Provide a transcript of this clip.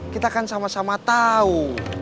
kita kan sama sama tahu